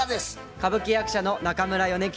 歌舞伎役者の中村米吉です。